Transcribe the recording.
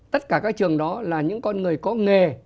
tất cả các trường đó là những con người có nghề